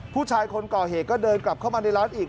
ผู้ชายคนก่อเหตุก็เดินกลับเข้ามาในร้านอีก